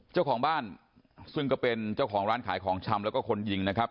เจ้าของบ้านซึ่งก็เป็นเจ้าของร้านขายของชำแล้วก็คนยิงนะครับ